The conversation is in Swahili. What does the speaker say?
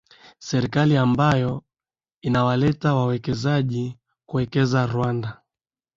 Serikali ambayo inawaleta wawekezaji kuwekeza Rwanda